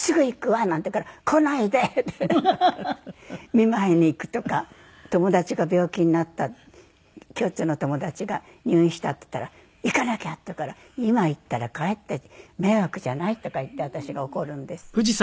見舞いに行くとか友達が病気になった共通の友達が入院したっつったら「行かなきゃ！」って言うから「今行ったらかえって迷惑じゃない？」とか言って私が怒るんですよ。